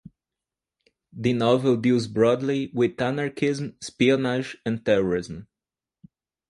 The novel deals broadly with anarchism, espionage and terrorism.